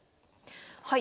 はい。